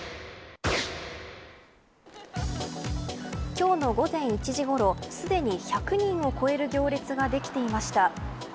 今日の午前１時ごろすでに１００人を超える行列ができていました。